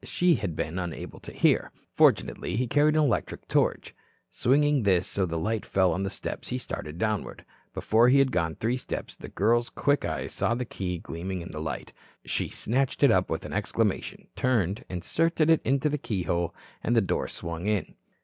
She had been unable to hear. Fortunately, he carried an electric torch. Swinging this so that the light fell on the steps, he started downward. Before he had gone three steps, the girl's quick eyes saw the key gleam in the light. She snatched it up with an exclamation, turned, inserted it in the keyhole, and the door swung in.